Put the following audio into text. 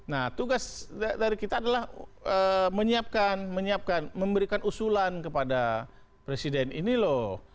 nah tugas dari kita adalah menyiapkan memberikan usulan kepada presiden ini loh